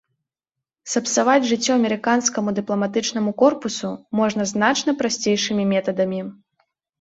Сапсаваць жыццё амерыканскаму дыпламатычнаму корпусу можна значна прасцейшымі метадамі.